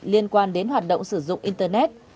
liên quan đến hoạt động sử dụng internet